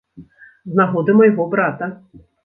З нагоды майго брата.